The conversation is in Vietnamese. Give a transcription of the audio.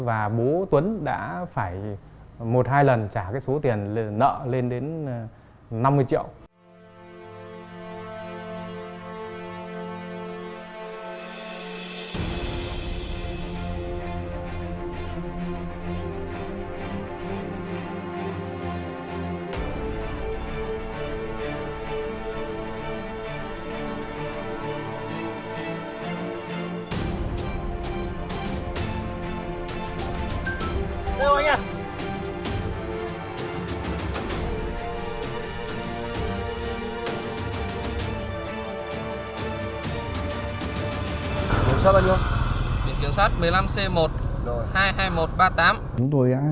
và bố tuấn đã phải một hai lần trả số tiền nợ lên đến năm mươi triệu